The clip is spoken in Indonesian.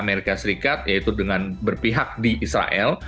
amerika serikat yaitu dengan berpihak di israel